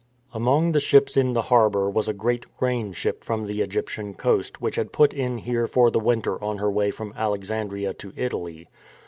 Among the ships in the harbour was a great grain ship from the Egyptian coast, which had put in here for the winter on her way from Alexandria to Italy.